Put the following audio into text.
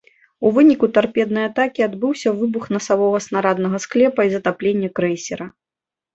У выніку тарпеднай атакі адбыўся выбух насавога снараднага склепа і затапленне крэйсера.